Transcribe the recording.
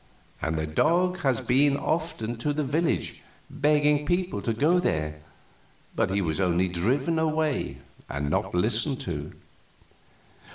"And the dog has been often to the village, begging people to go there, but he was only driven away and not listened to."